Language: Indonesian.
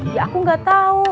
ya aku gak tau